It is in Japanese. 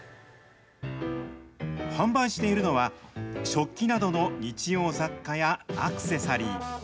販売しているのは食器などの日用雑貨やアクセサリー。